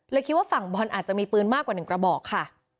คิดว่าฝั่งบอลอาจจะมีปืนมากกว่าหนึ่งกระบอกค่ะ